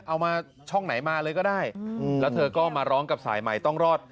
เอามาช่องไหนมาเลยก็ได้แล้วเธอก็มาร้องกับสายใหม่ต้องรอด